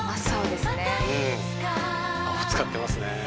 青使ってますね。